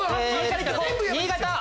新潟。